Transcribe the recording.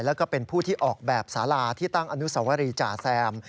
แล้วก็เป็นผู้ที่ออกแบบสาราที่ตั้งอนุสวรีจ่าแซม